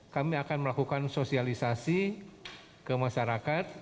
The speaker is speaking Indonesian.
kami akan melakukan sosialisasi ke masyarakat